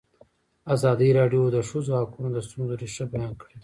ازادي راډیو د د ښځو حقونه د ستونزو رېښه بیان کړې.